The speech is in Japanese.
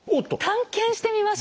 探検してみましょう。